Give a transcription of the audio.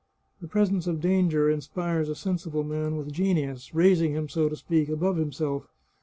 The presence of danger inspires a sensible man with genius, raising him, so to speak, above himself.